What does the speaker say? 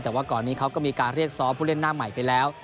แต่ว่าก่อนนี้เขาก็มีการเรียกซ้อมผู้เล่นหน้าใหม่ไปแล้ว